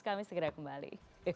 kami segera kembali